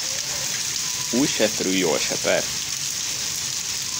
Új seprű jól seper.